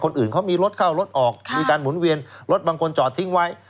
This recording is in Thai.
คนอื่นเขามีรถเข้ารถออกมีการหมุนเวียนรถบางคนจอดทิ้งไว้